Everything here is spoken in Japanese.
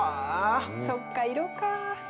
そっか色か。